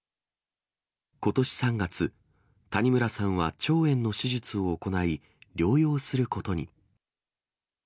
ことし３月、谷村さんは腸炎の手術を行い、療養することに。